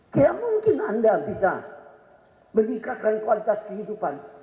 tidak mungkin anda bisa meningkatkan kualitas kehidupan